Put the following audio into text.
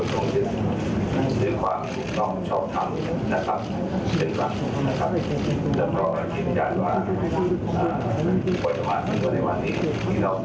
สวัสดีครับ